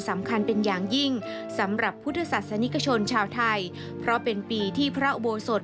สำคัญเป็นอย่างยิ่งสำหรับพุทธศาสนิกชนชาวไทยเพราะเป็นปีที่พระอุโบสถ